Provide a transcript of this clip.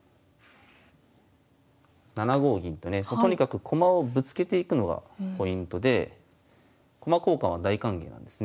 ７五銀とねとにかく駒をぶつけていくのがポイントで駒交換は大歓迎なんですね。